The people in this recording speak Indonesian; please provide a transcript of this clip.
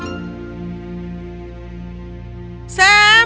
tidak aku tidak ingin bermain